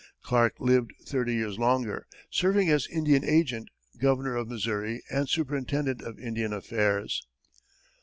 Clark lived thirty years longer, serving as Indian agent, governor of Missouri, and superintendent of Indian affairs.